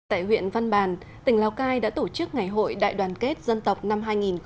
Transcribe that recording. tại huyện văn bàn tỉnh lào cai đã tổ chức ngày hội đại đoàn kết dân tộc năm hai nghìn một mươi chín